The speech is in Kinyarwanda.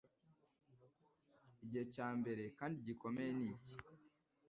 Igihe cyambere kandi gikomeye ni iki